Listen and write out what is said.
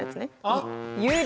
あっ。